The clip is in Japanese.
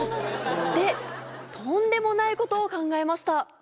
で、とんでもないことを考えました。